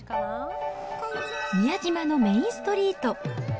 宮島のメインストリート。